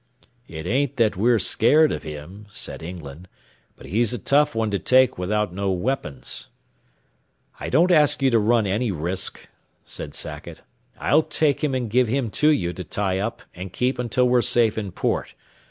"It ain't that we're scared of him," said England, "but he's a tough one to take without no weapons." "I don't ask you to run any risk," said Sackett. "I'll take him and give him to you to tie up and keep until we're safe in port.